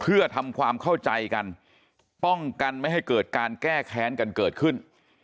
เพื่อทำความเข้าใจกันป้องกันไม่ให้เกิดการแก้แค้นกันเกิดขึ้น